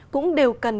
cũng đều cần